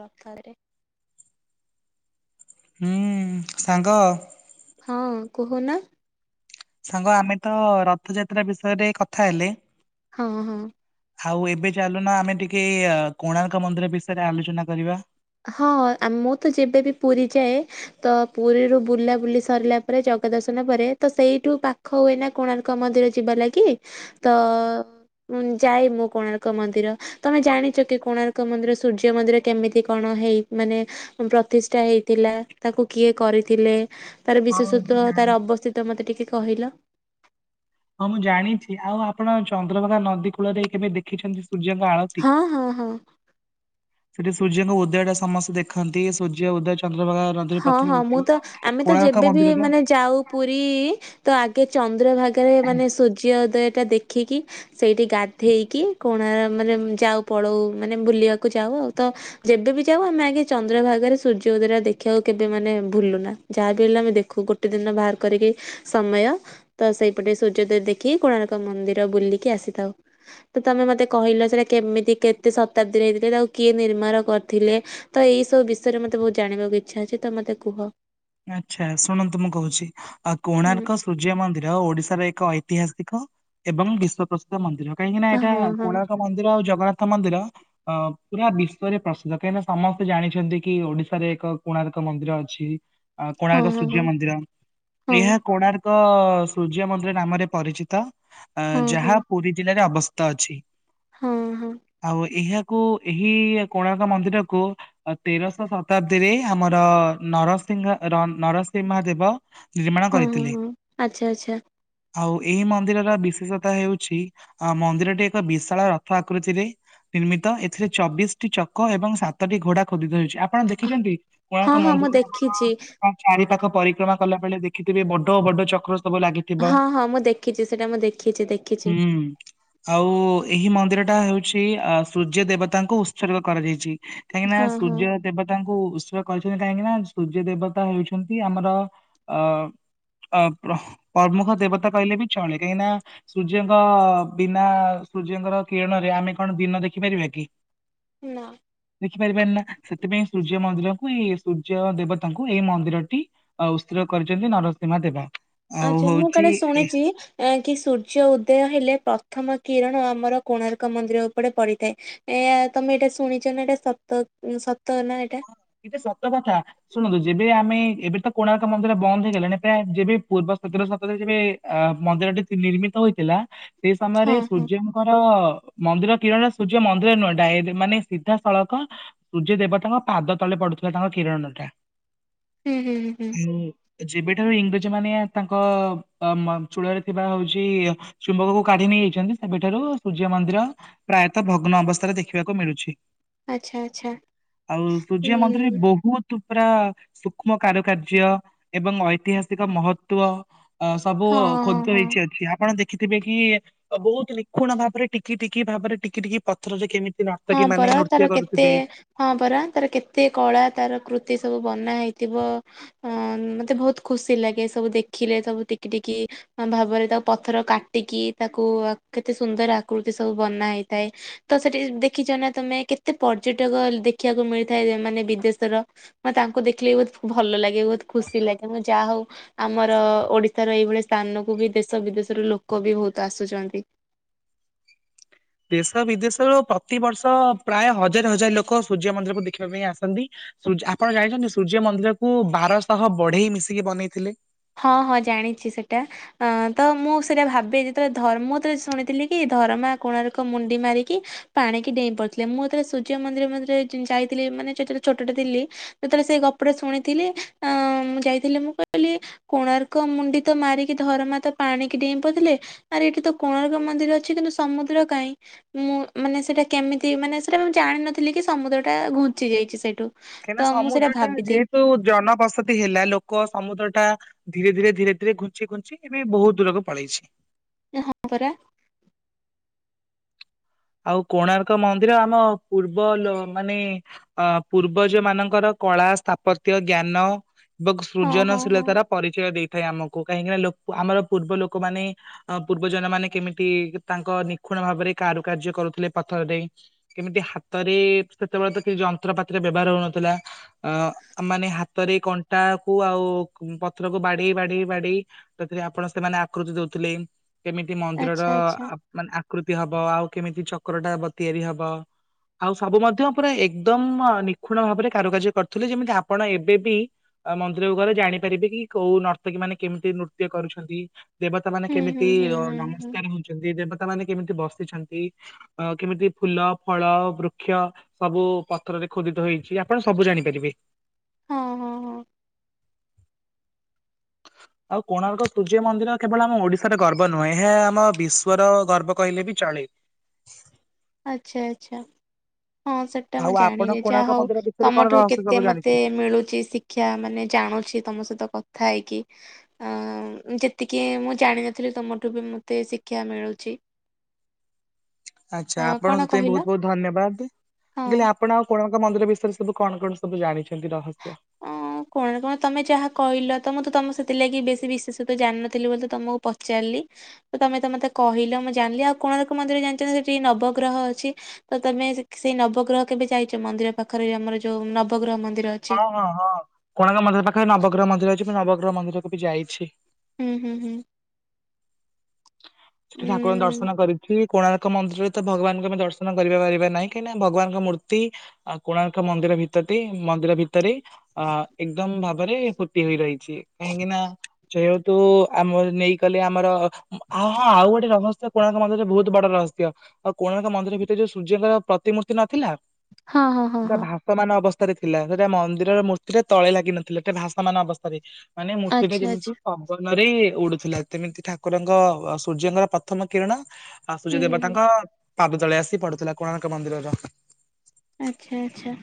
ରଥରେ। ହୁଁ ସାଙ୍ଗ। ହଁ କହୁନ। ସାଙ୍ଗ ଆମେ ତ ରଥଯାତ୍ରା ବିଷୟରେ କଥା ହେଲେ। ହଁ ହଁ। ହାଉ ଏବେ ଚାଲୁନ ଆମେ ଟିକେ ଅ କୋଣାର୍କ ମନ୍ଦିର ବିଷୟରେ ଆଲୋଚନା କରିବା। ହଁ ଆ ମୁଁ ତ ଯେବେ ବି ପୁରୀ ଯାଏ ତ ପୁରୀରୁୁ ବୁଲା ବୁଲି ସରିଲା ପରେ ଜଗା ଦର୍ଶନ ପରେ ତ ସେଇଠୁ ପା ଖୋ ଏଇନା କୋଣାର୍କ ମନ୍ଦିର ଯିବା ଲାଗି ତ ଉଁ ଯାଏ ମୁଁ କୋଣାର୍କ ମନ୍ଦିର ତମେ ଜାଣିଚ କି କୋଣାର୍କ ମନ୍ଦିର ସୂର୍ଯ୍ୟ ମନ୍ଦିର କେମିତି କଣ ହେଇ ମାନେ ପ୍ରତିଷ୍ଠା ହେଇଥିଲା ତାକୁ କିଏ କରିଥିଲେ? ତାର ହଁ ମୁଁ ବିଶେଷତ୍ଵ ଜାଣି ତାର ଅବସ୍ଥିତ ମତେ ଟିକେ କହିଲ। ହଁ ମୁଁ ଜାଣିଛି ଆଉ ଆପଣ ଚନ୍ଦ୍ରଭାଗା ନଦୀ କୂଳରେ କେବେ ଦେଖିଛନ୍ତି ସୂର୍ଯ୍ୟଙ୍କ ଆଳ ହଁ ହଁ ହଁ। ସେଠି ସୂର୍ଯ୍ୟଙ୍କ ଉଦୟ ଟା ସମସ୍ତେ ଦେଖନ୍ତି ସୂର୍ଯ୍ୟ ଉଦୟ ଚନ୍ଦ୍ରଭାଗା ନଦୀରେ ହଁ ପ୍ରଥମେ ହଁ ମୁଁ ଉଠିବ। ତ ଆମେ ତ କୋଣାର୍କ ଯେବେ ବି ମନ୍ଦିରର ମାନେ ଯାଉ ପୁରୀ ଇ ତ ଆଗେ ଚନ୍ଦ୍ର ଭାଗାରେ ମାନେ ସୂର୍ଯ୍ୟ ଉଦୟ ଟା ଦେଖିକି ସେଇଠି ଗାଧେଇକି କୋଣା ମାନେ ଯାଉ ପଳଉ ମାନେ ବୁଲିବାକୁ ଯାଉ ଆଉ ତ ଯେବେ ବି ଯାଉ ଆମେ ଆଗେ ଚନ୍ଦ୍ରଭାଗାରେ ସୂର୍ଯ୍ୟ ଉଦୟ ଟା ଦେ ଦେଖିବାକୁ କେବେ ମାନେ ଭୁଲୁନା ଯାହା ବି ହେଲେ ଆମେ ଦେଖୁ ଗୋଟେ ଦିନ ବାହାର କରିକି ସମୟ। ତ ସେଇପଟେ ସୂର୍ଯ୍ୟୋଦୟ ଦେଖିକି କୋଣାର୍କ ମନ୍ଦିର ବୁଲିକି ଆସିଥାଉ। ତ ତମେ ମତେ କହିଲ ସେଟା କେମିତି କେତେ ଶତାବ୍ଦୀରେ ହେଇଥିଲା ତାକୁ କିଏ ନିର୍ମାଣ କରିଥିଲେ? ତ ଏଇ ସବୁ ବିଷୟରେ ମତେ ବହୁତ ଜାଣିବାକୁ ଇଚ୍ଛା ଅଛି ତ ମତେ କୁହ। ଆଚ୍ଛା ଶୁଣନ୍ତୁ ମୁଁ କହୁଛି ଆଉ ହୁଁ କୋଣାର୍କ ସୂର୍ଯ୍ୟ ମନ୍ଦିର ଓଡିଶାର ଏକ ଐତିହାସିକ ଏବଂ ବିଶ୍ୱ ପ୍ରସି ମନ୍ଦିର କାହିଁକି ନା ଏଟା ହଁ ହଁ କୋଣାର୍କ ମନ୍ଦିର ଆଉ ଜଗନ୍ନାଥ ମନ୍ଦିର ଅ ପୁରା ବିଶ୍ଵରେ ପ୍ରସିଦ୍ଧ କାହିଁକି ନା ସମସ୍ତେ ଜାଣିଛନ୍ତି କି ଓଡିଶାରେ ଏକ କୋଣାର୍କ ମନ୍ଦିର ଅଛି। ଅ ହଁ କୋଣାର୍କ ସୂର୍ଯ୍ୟ ହଁ ମନ୍ଦିର, ହଁ ଏହା କୋଣାର୍ କ ସୂର୍ଯ୍ୟ ମନ୍ଦିର ନାମରେ ପରିଚିତ, ହଁ ଯାହା ହଁ ପୁରୀ ଜିଲ୍ଲାରେ ଅବସ୍ଥିତ ଅଛି। ହୁଁ ହୁଁ। ଆଉ ଏହାକୁ ଏହି କୋଣାର୍କ ମନ୍ଦିରକୁ ତେରଶ ଶତାବ୍ଦୀରେ ଆମର ନର ସିଂହ ନରସିମା ଦେବ ନିର୍ମାଣ ହଁ ହଁ କରିଥିଲେ। ହଁ ଆଚ୍ଛା ଆଚ୍ଛା ଆଉ ଏଇ ମନ୍ଦିରର ବିଶେଷତା ହେଉଛି ଆ ମନ୍ଦିରଟି ଏକ ବିଶାଳ ରଥ ଆକୃତିରେ ନିର୍ମିତ ଏଥିରେ ଚବିଶି ଟି ଚକ ଏବଂ ସାତଟି ଘୋଡା ଖୋଦିତ ହୋଇଛି। ଆପଣ ଦେଖିଛନ୍ତି କୋଣାର୍କ ମନ୍ଦିର କିଛି ହ ଚାରି ପାଖ ପରିକ୍ରମା କଲା ବେଳେ ଦେଖିଥିବେ ବଡ ବଡ ଚକ୍ର ସବୁ ଲାଗି ହଁ ହଁ ମୁଁ ଦେଖିଚି ସେଟା ମୁଁ ଦେଖିଚି ଦେଖିଚି। ହୁଁ। ଆଉ ଏହି ମନ୍ଦିର ଟା ହେଉଚି ସୂର୍ଯ୍ୟ ଦେବତାଙ୍କୁ ଉତ୍ସର୍ଗ କରାଯାଇଛି। କାହିଁକି ନା ହଁ ହଁ ସୂର୍ଯ୍ୟ ଦେବତାଙ୍କୁ ଉତ୍ସ କରିଛନ୍ତି କାହିଁକି ନା ସୂର୍ଯ୍ୟ ଦେବତା ହେଉଛନ୍ତି ଆମର ଅ ଅ ପ୍ର ପ୍ରମୁଖ ଦେବତା କହିଲେ ବି ଚଳେ କାହିଁକି ନା ସୂର୍ଯ୍ୟଙ୍କ ବିନା ସୂର୍ଯ୍ୟଙ୍କର କିରଣରେ ଆମେ କଣ ଦିନ ଦେଖି ପାରିବା କି? ନାଁ। ଦେଖିପାରିବାନି ନା ସେଥିପାଇଁ ସୂର୍ଯ୍ୟ ମନ୍ଦିରକୁ ଏଇ ସୂର୍ଯ୍ୟ ଦେବ ତାଙ୍କୁ ଏଇ ମନ୍ଦିର ଟି ଉସ୍ତିର କରିଛନ୍ତି ନରସିଂମା ଦେବା। ଆଉ ଆଚ୍ଛା ମୁଁ ହଉଛି କାଳେ ଏ ଶୁଣିଚି ଏହା କି ସୂର୍ଯ୍ୟ ଉଦୟ ହେଲେ ପ୍ରଥମ କିରଣ ଆମର କୋଣାର୍କ ମନ୍ଦିର ଉପରେ ପଡ଼ିଥାଏ। ଏଆ ତମେ ଏଇଟା ଶୁଣିଛ ନା ଏଟା ସତ ସତ ନା ଏଟା। ଏଟା ସତ କଥା। ଶୁଣନ୍ତୁ ଯେବେ ଆମେ ଏବେ ତ କୋଣାର୍କ ମନ୍ଦିର ବନ୍ଦ ହେଇଗଲାଣି ଏବେ ଯେବେ ପୂର୍ବ ସତରକ୍କ ସତରେ ଯେବେ ଅ ମନ୍ଦିର ଟି ନିର୍ମିତ ହୋଇଥିଲା ସେଇ ସମୟରେ ହଁ ହଁ। ସୂର୍ଯ୍ୟ ଆମର ମନ୍ଦିର କିରଣ ସୂର୍ଯ୍ୟ ମନ୍ଦିର ନୁହଁ ଡ଼ାଇ ମାନେ ସିଧାସଳକ। ସୂର୍ଯ୍ୟ ଦେବତାଙ୍କ ପାଦ ତଳେ ପଡ଼ୁଥିଲା ତାଙ୍କ କିରଣ ଟା। ହୁଁ, ହୁଁ, ହୁଁ। ଯେବେଠାରୁ ଇଂରେଜ ମାନେ ତାଙ୍କ ଚୂଳରେ ଥିବା ହଉଚି ଚୁମ୍ବକକୁ କାଢ଼ି ନେଇଯାଇଛନ୍ତି ସେବେଠାରୁ ସୂର୍ଯ୍ୟ ମନ୍ଦିର ପ୍ରାୟତଃ ଭଗ୍ନ ଅବସ୍ଥାରେ ଦେଖିବାକୁ ମିଳୁଛି। ଆଚ୍ଛା, ଆଚ୍ଛା। ଆଉ ହୁଁ ସୂର୍ଯ୍ୟ ମନ୍ଦିରରେ ବ ବହୁତ ପୁରା ସୂକ୍ଷ୍ମ କାରୁକାର୍ଯ୍ୟ ଏବଂ ଐତିହାସିକ ମହତ୍ଵ ଅ ସବୁ ହଁ ହଁ ଖୋଦିତ ହଁ। ହେଇଛି ଅଛି ଆପଣ ଦେଖ ଦେଖିଥିବେ କି ବହୁତ ନିଖୁଣ ଭାବରେ ଟିକି ଟିକି ଭାବରେ ଟିକି ଟିକି ପତ ପଥର ରେ କେମିତି ହଁ ନାର୍ତ୍ତକୀ ମାନେ ପରା ତାର ନୃତ୍ୟ କେତେ କରୁଥିବେ। ହଁ ପରା ତାର କେତେ କଳା ତାର କୃତି ସବୁ ବନା ହେଇଥିବ। ହଁ ମତେ ବହୁତ ଖୁସି ଲାଗେ ସବୁ ଦେଖିଲେ ସବୁ ଟିକି ଟିକି ଭାବରେ ତାକୁ ପଥର କାଟିକି ତାକୁ କେତେ ସୁନ୍ଦର ଆକୃତି ସବୁ ବନା ହେଇଥାଏ। ତ ସେଠି ଦେଖିଛ ନା ତମେ କେତେ ପର୍ଯ୍ୟଟକ ଦେଖିବାକୁ ମିଳିଥାଏ ମାନେ ବିଦେଶର ହଁ ତାଙ୍କୁ ଦେଖିଲେ ବି ବହୁତ ଭଲ ଲାଗେ ବହୁତ ଖୁସି ଲାଗେ ମ୍ ଯାହା ହଉ ଆମର ଓଡ଼ିଶାର ଏଇଭଳିଆ ସ୍ଥାନକୁ ବି ଦେଶ ବିଦେଶରୁ ଲୋକ ବି ବହୁତ ଆସୁଛନ୍ତି। ଦେଶ ବିଦେଶରୁ ପ୍ରତିବର୍ଷ ପ୍ରାୟ ହଜାର ହଜାର ଲୋକ ସୂର୍ଯ୍ୟ ମନ୍ଦିରକୁ ଦେଖିବା ପାଇଁ ଆସନ୍ତି। ସୂର୍ଯ୍ୟ ଆପଣ ଜାଣିଛନ୍ତି ସୂର୍ଯ୍ୟ ମନ୍ଦିରକୁ ବାରଶହ ବଢ଼େଇ ମିଶିକି ବନେଇଥିଲେ? ହଁ ହଁ ଜାଣିଛି ସେଟା। ହଁ, ତ ମୁଁ ସେଇଟା ଭାବେ ଯେତେବେଳେ ଧର୍ମ ମୁଁ ଶୁଣିଥିଲି କି ଧରମା କୋଣାର୍କ ମୁଣ୍ଡି ମାରିକି ପାଣିିକି ଡେଇଁ ପଡ଼ିଥିଲେ ମୁଁ ଯେତେବେଳେ ସୂର୍ଯ୍ୟ ମନ୍ଦିର ମଝିରେ ଯାଇଥିଲି ମାନେ ଯେତେବେଳେ ଛୋଟ ଟେ ଥିଲି ଯେତେବେଳେ ସେ ଗପଟା ଶୁଣିଥିଲି ଅଁ ମୁଁ ଯାଇଥିଲି ମୁଁ କହିଲି କୋଣାର୍କ ମୁଣ୍ଡିତ ମାରିକି ଧରମା ତ ପାଣିିକି ଡ଼େଇଁ ପଡ଼ିଥିଲେ ଆରେ ଏଇଠି ତ କୋଣାର୍କ ମନ୍ଦିର ଅଛି କିନ୍ତୁ ସମୁଦ୍ର କାଇଁ। ମୁଁ ମାନେ ସେଇଟା କେମିତି ମାନେ ସେଟା ମୁଁ ଜାଣିିନଥିଲି କି ସମୁଦ୍ରଟା ଘୁଞ୍ଚି ଯାଇଛି ସେଇଠୁ। ତ ମୁଁ ସେଇଟା ଭାବିଥିବି ତୁ ଜନବସତି ହେଲା ଲୋକ ସମୁଦ୍ର ଟା ଧୀରେ ଧୀରେ ଧୀରେ ଧୀରେ ଘୁଞ୍ଚି ଘୁଞ୍ଚି ଏବେ ବହୁତ ଦୂରକୁ ପଳେଇଛି। ଆରେ ହଁ ପରା। ଆଉ କୋଣାର୍କ ମନ୍ଦିର ଆମ ପୂର୍ବ ଲୋ ମାନେ ଅ ପୂର୍ବଜ ମାନଙ୍କର କଳା, ସ୍ଥାପତ୍ୟ, ଜ୍ଞାନ ଏବଂ ହଁ ହଁ ହଁ ସୃଜନଶୀଳତାର ପରିଚୟ ଦେଇଥାଏ ଆମକୁ କାହିଁକିନା ଆମର ପୂର୍ବ ଲୋକମାନେ ହଁ ପୂର୍ବଜନ ମାନେ କେମିତି ତାଙ୍କ ନିଖୁଣ ଭାବରେ କାରୁକାର୍ଯ୍ୟ କରୁଥିଲେ ପଥରଦେଇ କେମିତି ହାତରେ ସେତେବେଳେ ତ କିଛି ଯନ୍ତ୍ରପାତିର ବ୍ୟବହାର ହଉନଥିଲା ଅ ମାନେ ହାତରେ କଣ୍ଟାକୁ ଆଉ ପଥରକୁ ବାଡ଼େଇ ବାଡ଼େଇ ବାଡ଼େଇ ସେଥିରେ ଆପଣ ସେମାନେ ଆକୃତି ଦଉଥିଲେ କେମିତି ମନ୍ଦିରର ଆଚ୍ଛା ଆଚ୍ଛା। ମାନେ ଆକୃତି ହବ ଆଉ କେମିତି ଚକ୍ରଟା ବ ତିଆରି ହବ। ଆଉ ସବୁ ମଧ୍ୟ ପୁରା ଏକଦମ୍ ନିଖୁଣ ଭାବରେ କାରୁକାର୍ଯ୍ୟ କରୁଥିଲେ ଯେମିତି ଆପଣ ଏବେ ବି ମନ୍ଦିରକୁ ଗଲେ ଜାଣିପାରିବେ କି କୋଉ ନର୍ତ୍ତକୀ ମାନେ କେମିତି ନୃତ୍ୟ କରୁଛନ୍ତି। ଦେବତା ମାନେ ହୁଁ ହୁଁ କେମିତି ହୁଁ ହୁଁ ହୁଁ ନମସ୍କାର ହଉଛନ୍ତି ଦେବତା ମାନେ କେମିତି ବସିଛନ୍ତି। କେମିତି ଫୁଲ, ଫଳ, ବୃକ୍ଷ ସବୁ ପଥରରେ ଖୋଦିତ ହେଇଛି ଆପଣ ସବୁ ଜାଣିପାରିବେ। ହଁ ହଁ ହଁ। ଆଉ କୋଣାର୍କ ସୂର୍ଯ୍ୟ ମନ୍ଦିର କେବଳ ଆମ ଓଡିଶାର ଗର୍ବ ନୁହେଁ, ଏହା ଆମ ବିଶ୍ୱର ଗର୍ବ କହିଲେ ବି ଚଳେ। ଆଛା, ଆଛା ହଁ ସେ ସେଟା ଆଉ ମୁଁ ଆପଣ ଜାଣିଲି ଯାହା କୋଣାର୍କ ହଉ, ମନ୍ଦିର ବିଷୟରେ କଣ ତମଠୁ ରହସ୍ୟ କେତେ ସବୁ ମତେ ଜାଣିଛନ୍ତି? ମିଳୁଛି ଶି କ୍ଷା ମାନେ ଜାଣୁଛି ତମ ସହିତ କଥା ହେଇକି। ଅ ଯେତିକି ମୁଁ ଜାଣିନଥିଲି, ତମଠୁ ବି ମତେ ଶିକ୍ଷା ମିଳୁଛି। ଆଛା ଅ ଆପଣଙ୍କୁ କଣ ସେଥିପାଇଁ ବହୁତ କହିଲ ବହୁତ ଧନ୍ୟବାଦ, ମୁଁ ହଁ। କହିଲି ଆପ ପଣ ଆଉ କୋଣାର୍କ ମନ୍ଦିର ବିଷୟରେ ସବୁ କଣ କଣ ସବୁ ଜାଣିଛନ୍ତି ରହସ୍ୟ? ଅଁ କଣ କଣ ତମେ ଯାହା କହିଲ ତ ମୁଁ ତ ତମ ସେଥିଲାଗି ବେଶୀ ବିଶେଷ ତ ଜାଣିନଥିଲି ବୋଲି ତମକୁ ପଚାରିଲି। ତମେ ତ ମତେ କହିଲ ମୁଁ ଜାଣିଲି ଆଉ କୋଣାର୍କ ମନ୍ଦିର ଜାଣିଛ ନା ସେଠି ନବଗ୍ରହ ଅଛି। ତ ତମେ ସେ ସେଇ ନବଗ୍ରହ କେବେ ଯାଇଛ? ମନ୍ଦିର ପାଖରେ ଏଇ ଆମର ଯୋଉ ନବଗ୍ରହ ମନ୍ଦିର ଅଛି। ହଁ ହଁ ହଁ କୋଣାର୍କ ମନ୍ଦିର ପାଖରେ ନବଗ୍ରହ ମନ୍ଦିର ଅଛି ମୁଁ ନବଗ୍ରହ ମନ୍ଦିରକୁ ବି ଯାଇଛି। ହୁଁ ହୁଁ ହୁଁ ସେଠି ଉଁ ଠାକୁରଙ୍କ ଦର୍ଶନ କରିଛି। କୋଣାର୍କ ମନ୍ଦିରରେ ତ ଭଗବାନଙ୍କୁ ଆମେ ଦର୍ଶନ କରିବା ପାରିବା ନାହିଁ, କାହିଁକିନା ଭଗବାନଙ୍କ ମୂର୍ତ୍ତି ଆଉ କୋଣାର୍କ ମନ୍ଦିର ଭିତର ଦେଇ, ମନ୍ଦିର ଭିତ ରେ ଅ ଏକଦମ ଭାବରେ ପୋତି ହୋଇ ରହିଛି କାହିଁକି ନା ଜୟ ତୁ ଆମର ନେଇ ଗଲେ ଆମର ହଁ ହଁ ଆଉ ଗୋଟେ ରହସ୍ୟ କୋଣାର୍କ ମନ୍ଦିର ରେ ବହୁତ ବଡ ରହସ୍ୟ ଆଉ କୋଣାର୍କ ମନ୍ଦିର ଭିତରେ ଯୋଉ ସୂର୍ଯ୍ୟଙ୍କର ପ୍ରତିମୂର୍ତ୍ତି ନଥିଲା? ହଁ ହଁ ହଁ ପୁରା ହଁ ଭାସ୍ ସମାନ ଅବସ୍ଥାରେ ଥିଲା ସେଟା ମନ୍ଦିରର ମୂର୍ତ୍ତି ଟା ତଳେ ଲାଗିିନଥିଲା ସେଟେ ଭାସମାନ ଅବସ୍ଥାରେ ମାନେ ମୂର୍ତ୍ତିଟା ଆଚ୍ଛା ଯେମିତି ଆଚ୍ଛା ପବନରେ ଉଡୁଥିଲା ସେମିତି ଠାକୁରଙ୍କ ସୂର୍ଯ୍ୟଙ୍କର ପ୍ରଥମ କିରଣ ଆଉ ହୁଁ ସୂର୍ଯ୍ୟ ହୁଁ ହୁଁ। ଦେବତାଙ୍କ ପାଦ ତଳେ ଆସି ପଡୁଥିଲା କୋଣାର୍କ ମନ୍ଦିରର। ଆଛା ଆଛା।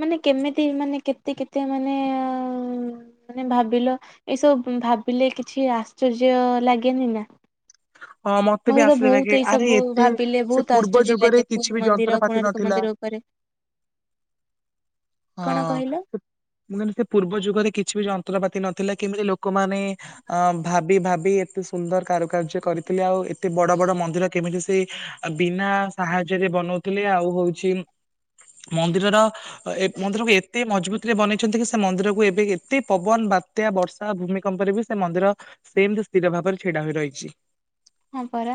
ମାନେ କେମିତି ମାନେ କେତେ କେତେ ମାନେ ମାନେ ଭାବିଲ ଏସବୁ ଭାବିଲେ କିଛି ଆଶ୍ଚର୍ଯ୍ୟ ଲାଗେନି ନା? [unintelligible] ହଁ ମତେ ବି ତ ଆଶ୍ଚର୍ଯ୍ୟ ବହୁତ ଲାଗେ, ଏଇ ଆରେ ସବୁ ଏତେ ଭାବିଲେ ସେ ବହୁତ ପୂର୍ବ ଆଶ୍ଚର୍ଯ୍ୟ ଲାଗେ ଯୁଗରେ ପୁରୀ କିଛି ବି ମନ୍ଦିର ଯନ୍ତ୍ରପାତି କୋଣାର୍କ ନଥିଲା। ମନ୍ଦିର ଉପରେ। କଣ ହଁ କହିଲ ସେ ମୁଁ କହିଲି, ସେ ପୂର୍ବ ଯୁଗରେ କିଛି ବି ଯନ୍ତ୍ରପାତି ନଥିଲା କେମିତି ଲୋକମାନେ ଅ ଭାବି ଭାବି ଏତେ ସୁନ୍ଦର କାରୁକାର୍ଯ୍ୟ କରିଥିଲେ ଆଉ ଏତେ ବଡ ବଡ ମନ୍ଦିର କେମିତି ସେ ବିନା ସାହାଯ୍ୟରେ ବନଉଥିଲେ ଆଉ ହଉଛି ମନ୍ଦିରର ଏ ମନ୍ଦିରକୁ ଏତେ ମଜବୁତରେ ବନେଇଛନ୍ତି କି ସେ ମନ୍ଦିରକୁ ଏବେ ଏତେ ପବନ ବାତ୍ ପ୍ରତି ବର୍ଷା ଭୂମିକମ୍ପରେ ବି ସେ ମନ୍ଦିର ସେମତି ସ୍ଥିର ଭାବରେ ଛିଡା ହୋଇ ରହିଛି। ହଁ ପରା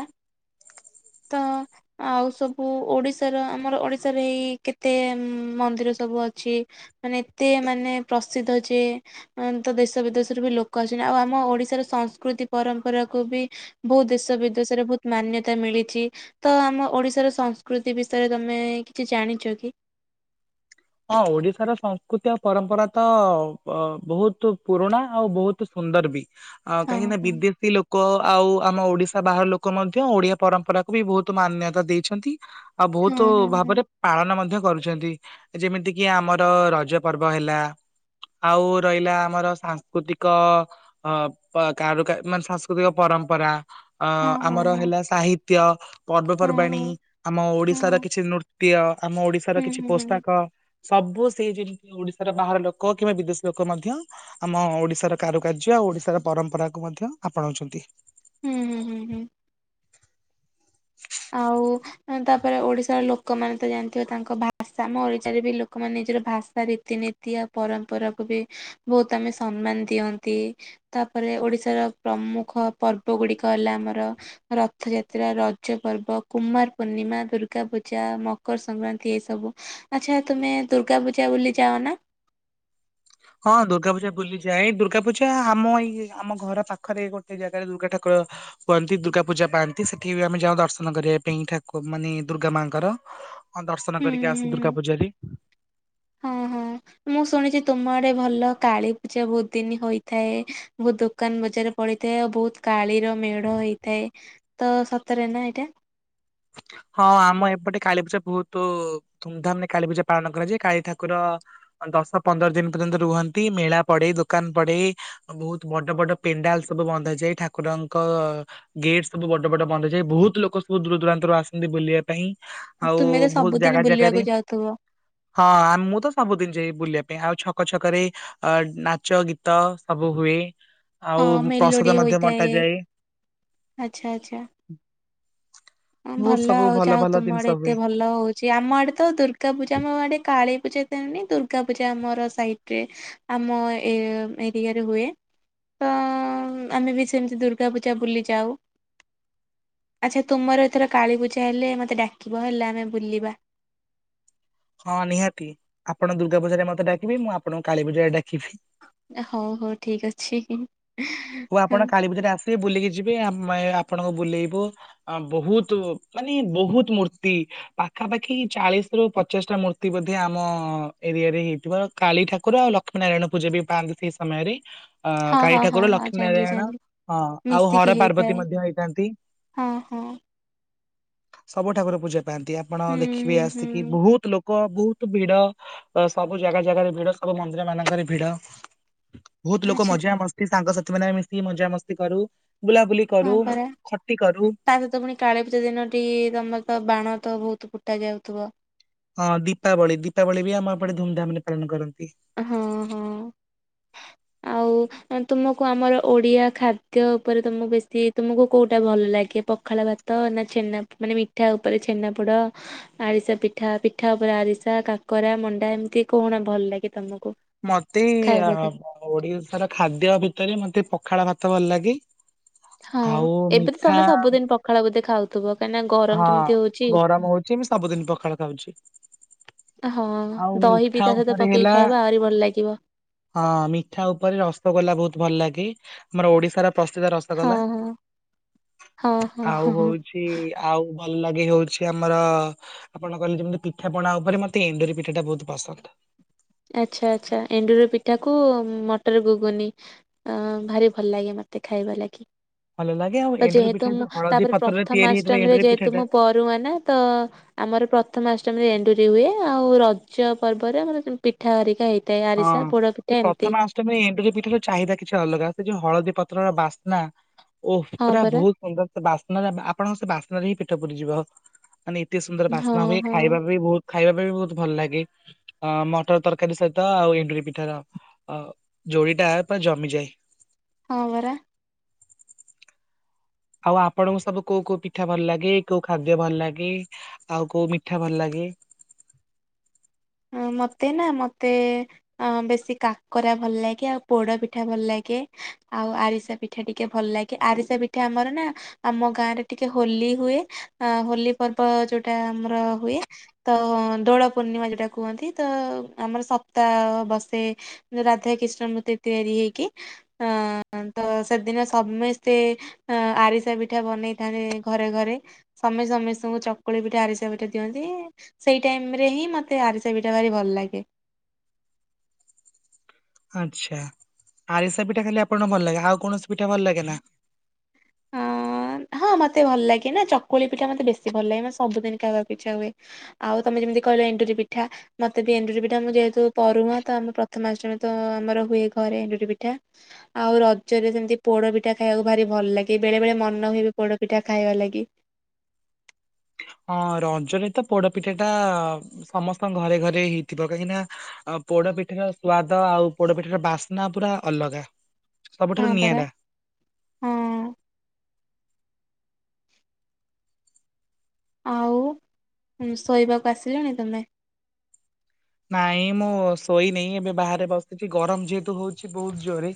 ତ ଆଉ ସବୁ ଓଡିଶାର, ଆମର ଓଡିଶାରେ ଏଇ କେତେ ଉଁ ମନ୍ଦିର ସବୁ ଅଛି। ମାନେ ଏତେ ମାନେ ପ୍ରସିଦ୍ଧ ଯେ ମାନେ ତ ଦେଶ ବିଦେଶରୁ ବି ଲୋକ ଆସୁଛନ୍ତି ଆଉ ଆମ ଓଡିଶାର ସଂସ୍କୃତି ପରମ୍ପରା କୁ ବି ବହୁ ଦେଶ ବିଦେଶରେ ବହୁତ ମାନ୍ୟତା ମିଳିଛି ତ ଆମ ଓଡିଶାର ସଂସ୍କୃତି ବିଷୟରେ ତମେ କିଛି ଜାଣିଛ କି? ହଁ ଓଡିଶାର ସଂସ୍କୃତି ଆଉ ପରମ୍ପରା ତ ଅ ବହୁତ ପୁରୁଣା ଆଉ ବହୁତ ତ ସୁନ୍ଦର ବି ଆ ହଁ କାହିଁକି ନା ହଁ ବିଦେଶୀ ଲୋ କ ଆଉ ଆମ ଓଡିଶା ବାହାର ଲୋକ ମଧ୍ୟ ଓଡିଆ ପରମ୍ପରାକୁୁ ବି ବହୁତ ମାନ୍ୟତା ଦେଇଛନ୍ତି। ଆଉ ବହୁତ ହଁ ହଁ ଭାବରେ ପାଳନ ମଧ୍ୟ କରୁଛନ୍ତି। ଯେମିତିକି ଆମର ରଜ ପର୍ବ ହେଲା ଆଉ ରହିଲା ଆମର ସାଂସ୍କୃତିକ ଅ ପା କାରୁ ମାନେ ସାଂସ୍କୃତିକ ପରମ୍ପରା ଅ ହଁ ହଁ ଆମର ହେଲା ସାହିତ୍ୟ ହଁ ହଁ ହଁ ହଁ ପର୍ବପର୍ବାଣି ଆମ ଓଡିଶାର ହଁ କିଛି ନୃତ୍ୟ ଆମ ଓଡିଶାର ହୁଁ କିଛି ହୁଁ ପ ହୁଁ ହଁ ସବୁ ସେଇ ଯେତି ଓଡିଶାର ବାହାର ଲୋକ କିମ୍ବା ବିଦେଶୀ ଲୋକ ମଧ୍ୟ ଆମ ଓଡିଶାର କାରୁକାର୍ଯ୍ୟ ଆଉ ଓଡିଶାର ପରମ୍ପରା କୁ ମଧ୍ୟ ଆପଣଉଛନ୍ତି। ହୁଁ ହୁଁ ହୁଁ ହୁଁ। ଆଉ ଆଉ ତାପରେ ଓଡିଶାର ଲୋକମାନେ ତ ଜାଣିଥିବେ ତାଙ୍କ ଭା ଭାଷା ଆମ ଓଡିଶାରେ ବି ଲୋକମାନେ ନିଜର ଭାଷା ତିନୀତିଆ ପରମ୍ପରାକୁ ବି ବହୁତ ଆମେ ସମ୍ମାନ ଦିଅନ୍ତି। ତାପରେ ଓଡିଶାର ପ୍ରମୁଖ ପର୍ବ ଗୁଡିକ ହେଲା ଆମର ରଥଯାତ୍ରା ର ଜ ପର୍ବ, କୁମାର ପୂର୍ଣ୍ଣିମା, ଦୁର୍ଗା ପୂଜା, ମକର ସଂକ୍ରାନ୍ତି ଏସବୁ। ଆଚ୍ଛା ତୁମେ ଦୁର୍ଗା ପୂଜା ବୁଲି ଯାଅ ନା? ହଁ ଦୁର୍ଗା ପୂଜା ବୁଲିଯାଏ ଦୁର୍ଗା ପୂଜା ଆମ ଏଇ ଆମ ଘର ପାଖରେ ଗୋଟେ ଜାଗାରେ ଦୁର୍ଗା ଠାକୁର ହୁଅନ୍ତି ଦୂର୍ଗା ପୂଜା ପାଆନ୍ତି ସେଠିକି ଆମେ ଯାଉ ଦର୍ଶନ କରିବା ପାଇଁ ଠାକୁ ମାନେ ଦୂର୍ଗା ମାଙ୍କର। ହଁ ଦର୍ଶନ ହୁଁ ହୁଁ କରିକି ଆସୁ ହୁଁ ହୁଁ। ଦୁର୍ଗା ପୂଜାରି। ହଁ ହଁ ମୁଁ ଶୁଣିଛି ତୁମ ଆଡେ ଭଲ କାଳୀ ପୂଜା ବହୁତ ଦିନି ହୋଇଥାଏ। ବହୁତ ଦୋକାନ ବଜାର ପଡିଥାଏ ଆଉ ବହୁତ କାଳିର ମେଢ ହୋଇଥାଏ ତ ସତେରେ ନା ଏଇଟା? ହଁ ଆମ ଏପଟେ କାଳୀ ପୂଜା ବହୁତ ଧୁମଧାମରେେ କାଳୀ ପୂଜା ପାଳନ କରାଯାଏ କାଳୀ ଠାକୁର ଦଶ ପନ୍ଦର ଦିନ ପର୍ଯ୍ୟନ୍ତ ରୁହନ୍ତି ମେଳା ପଡେ ଦୋକାନ ପଡେ ବହୁତ ବଡ ବଡ ପେଣ୍ଡାଲ ସବୁ ବନ୍ଧା ଯାଇ ଠାକୁରଙ୍କଅ ଗେଟ୍ ସବୁ ବଡ ବଡ ବନ୍ଧା ଯାଏ ବହୁତ ଲୋକ ସବୁ ଦୂର ଦୂରାନ୍ତରୁ ଆସନ୍ତି ବୁଲିବା ପାଇଁ ଆଉ ତୁମେ ତ ବହୁତ ସବୁଦିନ ଜାଗା ବୁଲିବାକୁ ଜାଗାରେ ଯାଉଥିବ। ହଁ ଆ ମୁଁ ତ ସବୁ ଦିନ ଯାଏ ବୁଲିଆ ପାଇଁ ଆଉ ଛକ ଛକରେ ଅ ନାଚ ଗୀତ ସବୁ ହୁଏ ହଁ ଆଉ ମେଲୋଡି ପ୍ରସାଦ ମଧ୍ୟ ହୋଇଥାଏ ବଣ୍ଟାଯାଏ। ଆଚ୍ଛା ଆଚ୍ଛା। ହଁ ବହୁତ ଭଲ ସବୁ ଆଉ ଯାହା ହଉ ଆଉ ଭଲ ତୁମ ଜିନିଷ ଆଡେ ହୁଏ ଏତେ ଭଲ ହଉ ଆମ ଆଡେ ତ ଦୁର୍ଗା ପୂଜା ଆମ ଆଡେ କାଳୀ ପୂଜା ହୁଏନି ଦୁର୍ଗା ପୂଜା ଆମର ସାଇଟ୍ ରେ ଆମ ଏ ଏରିଆରେ ହୁଏ। ତଅ ଆମେ ବି ସେମିତି ଦୁର୍ଗା ପୂଜା ବୁଲି ଯାଉ। ଆଚ୍ଛା ତୁମର ଏଥର କାଳୀପୂଜା ହେଲେ ମତେ ଡାକିବ ହେଲା ଆମେ ବୁଲିବା। ହଁ ନିହାତି ଆପଣ ଦୁର୍ଗା ପୂଜାରେ ମତେ ଡାକିବେ ମୁଁ ଆପଣଙ୍କୁ କାଳୀ ପୂଜାରେ ଡାକିବି। ଏ ହଉ ହଉ ଠିକ ଅଛି ହିଁ ହିଁ। ହଉ ଆପଣ କାଳୀ ପୂଜାରେ ଆସି ବୁଲିକି ଯିବେ ଆମେ ଆପଣଙ୍କୁ ବୁଲେଇବୁ ଆ ବହୁତ ମାନେ ବହୁତ ମୂର୍ତ୍ତି ପାଖାପାଖି ଚାଳିଶ ରୁ ପଚାଶ ଟା ମୂର୍ତ୍ତି ବୋଧେ ଆମ ଏରିଆରେ ହେଇଥିବ। କାଳୀ ଠାକୁର ଆଉ ଲକ୍ଷ୍ମୀ ନାରାୟଣ ପୂଜା ବି ପାଆନ୍ତି ସେଇ ସମୟରେ ଅ ହଁ କାଳୀ ହଁ ଠାକୁର ହଁ ହଁ ଲକ୍ଷ୍ମୀ ଜାଣିଲି ନାରାୟଣ ଜାଣିଲି ହଁ ଆଉ ମିଶିକି ହର ପାର୍ବତୀ ହେଇଥାଏ ମଧ୍ୟ ହେଇଥାନ୍ତି। ହଁ ହଁ। ସବୁଠାକୁର ପୂଜା ପାଆନ୍ତି ଆପଣ ହୁଁ ଦେଖିବେ ହୁଁ ଆସିକି ହୁଁ ବହୁତ ଲୋ କ ବହୁତ ଭିଡ ସବୁ ଜାଗା ଜାଗାରେ ଭିଡ ସବୁ ମନ୍ଦିର ମାନଙ୍କରେ ଭିଡ ବହୁତ ଲୋକ ଆଚ୍ଛା ମଜାମସ୍ତି ସାଙ୍ଗସାଥି ମାନେ ମିଶି ମଜାମସ୍ତି କରୁ ବୁଲାବୁଲି କରୁ ହଁ ପରା। ଖଟି କରୁ। ତା ସହିତ ପୁଣି କାଳୀପୂଜା ଦିନଟି ତମର ତ ବାଣ ତ ବହୁତ ଫୁଟା ଯାଉଥିବ। ହଁ ଦୀପାବଳି ଦୀପାବଳି ବି ଆମ ଏପଟେ ଧୁମଧାମ ରେ ପାଳନ କରନ୍ତି। ହଁ ହଁ। ଉ ତୁମକୁ ଆମର ଓଡିଆ ଖାଦ୍ୟ ଉପରେ ତମକୁ ବେଶି ତୁମକୁ କୋଉଟା ଭଲ ଲାଗେ? ପଖାଳ ଭା ତ ନା ଛେନା ମାନେ ମିଠା ଉପରେ ଛେନା ପୋଡ ଆରିଶା ପିଠା ପିଠା ଉପରେ ଆରିଶା କାକରା ମଣ୍ଡା ଏମିତି କଣ ଭଲ ଲାଗେ ତମକୁ। ମତେ ଆ ଖାଇବାକୁ ଓଡିଶାର ଖାଦ୍ୟ ଭିତରେ ମତେ ପଖାଳ ଭାତ ଭଲ ଲାଗେ। ହଁ ଆଉ ଏବେ ତ ମିଠା ତମେ ସବୁଦିନ ପଖାଳ ବୋଧେ ଖାଉଥିବ କାହିଁନା ଗ ହଁ ଗରମ ହଉଛି ମୁଁ ସବୁଦିନ ପଖାଳ ଖାଉଛି। ହଁ ଆଉ ଦହି ବି ମିଠା ତା ସହିତ ଉପରେ ପକେଇକି ହେଲା ଖାଇବ ଆହୁରି ଭଲ ଲାଗିବ। ହଁ ମିଠା ଉପରେ ରସଗୋଲା ବହୁତ ଭଲ ଲାଗେ। ଆମର ଓଡିଶାର ପ୍ରସିଦ୍ଧ ରସ ହଁ ହଁ ହଁ ହଁ ଆଉ ହଁ ହ ହଉଛି ଆଉ ଭଲ ଲାଗେ ହଉଛି ଆମର ଆପଣ କହିଲେ ଯେମିତି ପିଠା ପଣା ଉପରେ ମତେ ଏଣ୍ଡୁରି ପିଠା ଟା ବହୁତ ପସନ୍ଦ। ଆଚ୍ଛା ଆଚ୍ଛା ଏଣ୍ଡୁରି ପିଠାକୁ ମଟର ଗୁଗୁନି। ଅ ଭାରି ଭଲ ଲାଗେ ମତେ ଖାଇବା ଲାଗି। ଭଲ ଲାଗେ ଆଉ ତ ଏଣ୍ଡୁରି ଯେହେତୁ ପିଠା ମୁଁ ଯୋଉ ହଳଦୀ ତାପରେ ପତ୍ରରେ ତିଆରି ହେଇଥିବା ପ୍ରଥମଷ୍ଟମୀରେ ଏଣ୍ଡୁରି ପିଠା ଯେହେତୁ ଟା ମୁଁ ପ [unintelligible] ତ ଆମର ପ୍ରଥମଷ୍ଟମୀରେ ଏଣ୍ଡୁରି ହୁଏ ଆଉ ରଜ ପର୍ବରେ ଆମର ପିଠା ହରିକା ହେଇଥାଏ ଆରିସା, ପୋଡ ପିଠା ଏମିତି। ତମେ ଏଣ୍ଡୁରି ପିଠା ର ଚାହିଦା କିଛି ଅଲଗା ସେ ଯୋଉ ହଳଦୀ ପତ୍ରର ବାସ୍ନା ଓ ହଁ ପୁରା ପରା ବହୁତ ସେ ବାସ୍ନାରେ ଆପଣଙ୍କ ସେ ବାସ୍ନାରେ ହିଁ ପେଟ ପୁରିଯିବ। ମାନେ ଏତେ ସୁନ୍ଦର ହଁ ବାସ୍ନା ହୁଏ ହଁ। ଖାଇବା ବି ବହୁତ ଖାଇବା ପାଇଁ ବି ବହୁତ ଭଲ ଲାଗେ। ଅ ମଟର ତରକାରୀ ସହିତ ତ ଆଉ ଏଣ୍ଡୁରି ପିଠା ର ଅ ଯୋଡି ଟା ପୁରା ଜମିଯାଏ। ହଁ ପରା ଆଉ ଆପଣଙ୍କୁ ସବୁ କୋଉ କୋଉ ପିଠା ଭଲ ଲାଗେ, କୋଉ ଖାଦ୍ୟ ଭଲ ଲାଗେ? ଆଉ କୋଉ ମିଠା ଭଲ ଲାଗେ? ହ ମତେ ନା ମତେ ଅ ବେଶୀ କାକରା ଭଲ ଲାଗେ ଆଉ ପୋଡ ପିଠା ଭଲ ଲାଗେ ଆଉ ଆରିସା ପି ପିଠା ଟିକେ ଭଲ ଲାଗେ। ଆରିସା ପିଠା ଆମର ନା ଆମ ଗାଁ ରେ ଟିକେ ହୋଲି ହୁଏ। ଆ ହୋଲି ପର୍ବ ଯୋଉଟା ଆମର ହୁଏ ତ ଦୋଳ ପୂର୍ଣ୍ଣିମା ଯୋଉଟା କୁହନ୍ତି ତ ଆମର ସପ୍ତାହ ବସେ ରାଧା କୃଷ୍ଣ ମୂର୍ତ୍ତି ତିଆରି ହେଇକି ଅ ତ ସେଦିନ ସମସ୍ତେ ଅ ଆରିସା ପିଠା ବନେଇଥାନ୍ତି ଘରେ ଘରେ। ସମସ୍ତେ ସମସ୍ତଙ୍କୁ ଚକୁଳି ପିଠା, ଆରିସା ପିଠା ଦିଅନ୍ତି। ସେଇ ଟାଇମ ରେ ହିଁ ମତେ ମତେ ଆରିସା ପିଠା ଭାରି ଭଲ ଲାଗେ। ଆଚ୍ଛା ଆରିସା ପିଠା ଖାଲି ଆପଣଙ୍କୁ ଭଲ ଲାଗେ ଆଉ କୌଣସି ପିଠା ଭଲ ଲାଗେ ନା? ଅ ହଁ ମତେ ଭଲ ଲାଗେ ନା ଚକୁଳି ପିଠା ମତେ ବେଶୀ ଭଲ ଲାଗେ ମାନେ ସବୁିଦିନ ଖଇବାକୁ ଇଚ୍ଛା ହୁଏ। ଆଉ ତମେ ଯେମିତି କହିଲ ଏଣ୍ଡୁରି ପିଠା। ମତେ ବି ଏଣ୍ଡୁରି ପିଠା ମୁଁ ଯେହେତୁ ପରୁହାଁ ତ ଆମ ପ୍ରଥମାଷ୍ଟମୀ ତ ଆମର ହୁଏ ଘରେ ଏଣ୍ଡୁରି ପିଠା। ଆଉ ରଜରେ ସେମିତି ପୋଡ ପିଠା ଖାଇବାକୁ ଭାରି ଭଲ ଲାଗେ ବେଳେ ବଳେ ମନ ପୋଡପିଠା ଖାଇବା ଲାଗି। ହଁ ରଜ ରେ ତ ପୋଡପିଠା ଟା ସମସ୍ତଙ୍କ ଘରେ ଘରେ ହେଇଥିବ କାହିଁକି ନା ଆ ପୋଡ ପିଠାର ସ୍ଵାଦ ଆଉ ପୋଡ ପିଠାର ବାସ୍ନା ପୁରା ଅଲଗା। ହଁ ସବୁଠାରୁ ପରା ନିଆରା। ହଁ। ଆଉ ଶୋଇବାକୁ ଆସିଲଣି ତମେ? ନାଇଁ ମୁଁ ଶୋଇନି ଏବେ ବାହାରେ ବସିଛି ଗରମ ଯେହେତୁ ହଉଛି ବହୁତ ଜୋରରେ।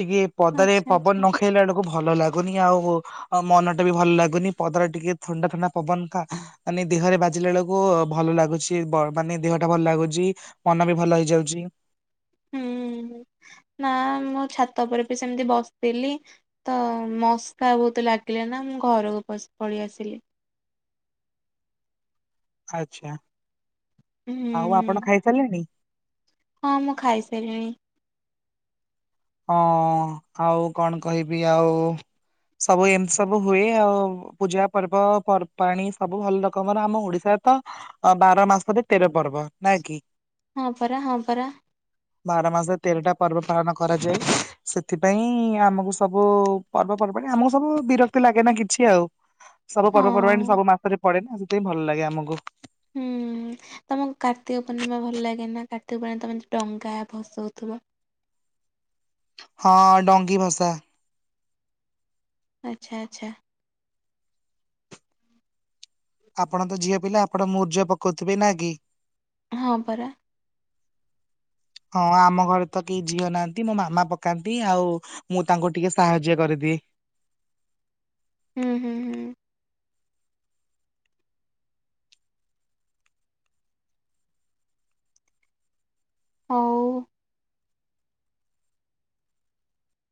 ଟିକେ ପଦାରେ ଆଚ୍ଛା ପବନ ଆଚ୍ଛା ନ ଖାଇଲା ବେଳକୁ ଭଲ ଲାଗୁନି ଆଉ। ଆଉ ମନ ଟା ବି ଭଲ ଲାଗୁନି, ପଦାର ଟିକେ ଥଣ୍ଡା ଥଣ୍ଡା ପବନ ଖା ମାନେ ଦେହରେ ବାଜିଲା ବେଳକୁ ଭଲ ଲାଗୁଛି, ମାନେ ଦେହଟା ଭଲ ଲାଗୁ ଚି, ମନ ବି ଭଲ ହେଇଯାଉଚି। ହୁଁ, ନା ମୁଁ ଛାତ ଉପରେ ପି ସେମିତି ବସିଥିଲି। ତ, ମଶକା ବହୁତ ଲାଗିଲେ ନା, ମୁଁ ଘରକୁ ପସ ପଳେଇ ଆସିଲି। ଆଛା। ହୁଁ। ଆଉ ଆପଣ ଖାଇସାରିଲେଣି? ହଁ, ମୁଁ ଖାଇସାଇଲିଣି। ହଁ, ଆଉ କଣ କହିବି? ଆଉ ସବୁ ଏମିତି ସବୁ ହୁଏ ଆଉ, ପୂଜା ପର୍ବ ପର୍ବାଣୀ ସବୁ ଭଲ ରକମର ଆମ ଓଡିଶା [unintelligible] ବାର ମାସରେ ତେର ପର୍ବ ନାକି? ହଁ ପରା, ହଁ ପରା। ବାର ମାସରେ ତେରଟା ପର୍ବ ପାଳନ କରାଯାଏ, ସେଥିପାଇଁ ଆମକୁ ସବୁ ପର୍ବପର୍ବାଣି ଆମକୁ ସବୁ ବିରକ୍ତି ଲାଗେ ନା କିଛି ଆଉ। ସବୁ ହଁ ପର୍ବପର୍ବାଣି ସବୁ ମାସରେ ପଡେ ନା, ସେଥିପାଇଁ ଭଲ ଲାଗେ ଆମକୁ। ହୁଁ। ତମକୁ କାର୍ତ୍ତିକ ପୂର୍ଣ୍ଣିମା ଭଲ ଲାଗେ ନା, କାର୍ତ୍ତିକ ପୂର୍ଣିମା ତମେ ଯ ଡଙ୍ଗା ଭସଉଥୁବ। ହଁ, ଡଙ୍ଗି ଭସା। ଆଛା ଆଛା। ଆପଣ ତ ଝିଅ ପିଲା, ଆପଣ ମୁରୁଜ ପକଉଥିବେ, ନା କି? ହଁ ପରା। ହଁ, ଆମ ଘରେ ତ କେହି ଝିଅ ନାହାନ୍ତି, ମୋ ମାମା ପକାନ୍ତି, ଆଉ ମୁଁ ତାଙ୍କୁ ଟିକେ ସାହାଯ୍ୟ କରିଦିଏ। ହୁଁ ହୁଁ ହୁଁ। ହଉ।